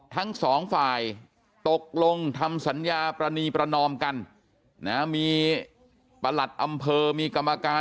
ทั้งสองฝ่ายตกลงทำสัญญาปรณีประนอมกันนะมีประหลัดอำเภอมีกรรมการ